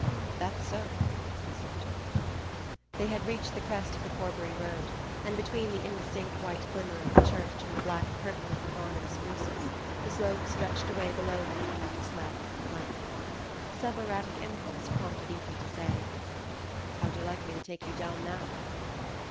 "That's so," he said. They had reached the crest of the Corbury road, and between the indistinct white glimmer of the church and the black curtain of the Varnum spruces the slope stretched away below them without a sled on its length. Some erratic impulse prompted Ethan to say: "How'd you like me to take you down now?"